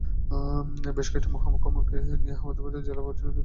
বেশ কয়েকটি মহকুমাকে নিয়ে আহমেদাবাদ জেলা বোম্বাই প্রেসিডেন্সির অংশ ছিল।